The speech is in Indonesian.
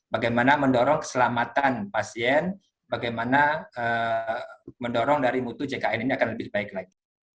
bagaimana mendorong keselamatan pasien bagaimana mendorong dari mutu jkn ini akan lebih baik lagi